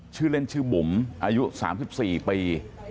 ชื่อเล่นชื่อบุ๋มอายุ๓๔ปี